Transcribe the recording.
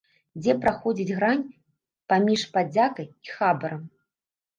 Дзе праходзіць грань паміж падзякай і хабарам?